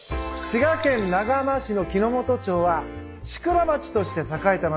滋賀県長浜市の木之本町は宿場町として栄えた町です。